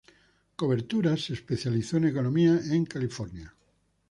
Coberturas especializó en economía en Carolina.